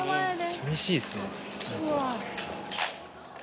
さみしいっすね。